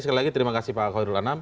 sekali lagi terima kasih pak khairul anam